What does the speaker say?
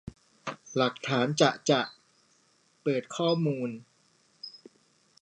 หลักฐานจะจะ!เปิดข้อมูล